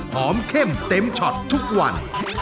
เข้มเต็มช็อตทุกวัน